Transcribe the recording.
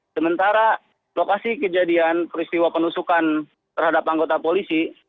sementara lokasi kejadian peristiwa penusukan terhadap anggota polisi